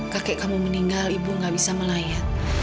kakek kamu meninggal ibu gak bisa melayat